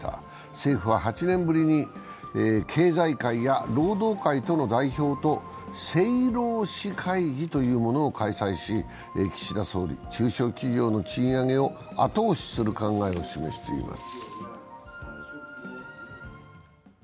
政府は８年ぶりに経済界や労働界の代表と政労使会議というものを開催し、岸田総理、中小企業の賃上げを後押しする考えを示しています。